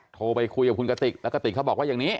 โทรไปคุยกับคุณกติกแล้วกติกเขาบอกว่าอย่างนี้